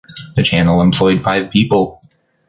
The channel employed five people.